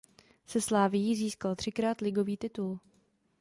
Se Slavií získal třikrát ligový titul.